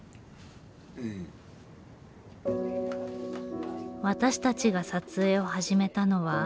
私たちが撮影を始めたのは１年前の冬。